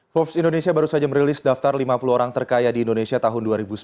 forbes indonesia baru saja merilis daftar lima puluh orang terkaya di indonesia tahun dua ribu sembilan belas